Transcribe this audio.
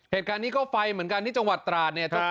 เหตุการณ์นี้ก็ไฟเหมือนกันที่จังหวัดตราดเนี่ย